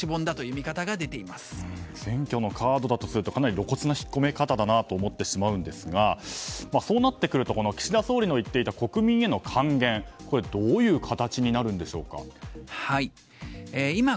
今じゃないということでしぼんできたという選挙のカードだとすると露骨に引っ込んだなと思ってしまうんですがそうなってくると岸田総理の言っていた国民への還元はどういった形になるんでしょうか。